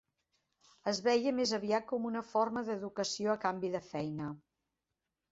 Es veia més aviat com una forma d'educació a canvi de feina.